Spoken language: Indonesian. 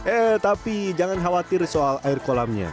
eh tapi jangan khawatir soal air kolamnya